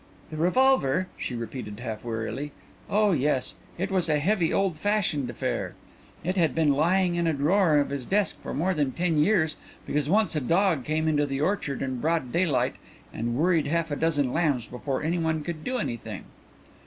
"The revolver?" she repeated half wearily; "oh yes. It was a heavy, old fashioned affair. It had been lying in a drawer of his desk for more than ten years because once a dog came into the orchard in broad daylight light and worried half a dozen lambs before anyone could do anything."